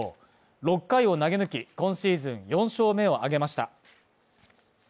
６回を投げ抜き、今シーズン４勝目を挙げました。